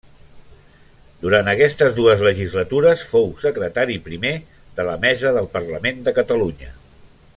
Durant aquestes dues legislatures fou secretari primer de la Mesa del Parlament de Catalunya.